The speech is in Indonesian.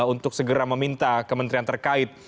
untuk segera meminta kementerian terkait